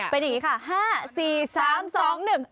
เป็นอย่างนี้ค่ะ๕๔๓๒๑